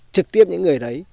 trực tiếp những người đấy